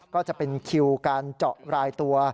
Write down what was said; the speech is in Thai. ก็จะเป็นคิวการเจาะรายตัว